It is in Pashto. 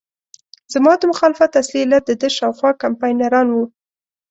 زما د مخالفت اصلي علت دده شاوخوا کمپاینران وو.